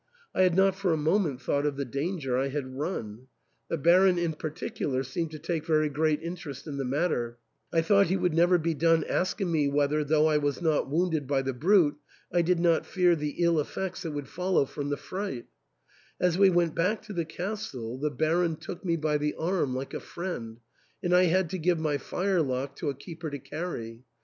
I had not for a moment thought of the danger I had run. The Baron in par ticular seemed to take very great interest in the matter ; I thought he would never be done asking me whether, though I was not wounded by the brute, I did not fear the ill effects that would follow from the fright As we went back to the castle, the Baron took me by the arm like a friend, and I had to give my firelock to a keeper to carry.